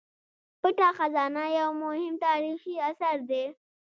پټه خزانه یو مهم تاریخي اثر دی.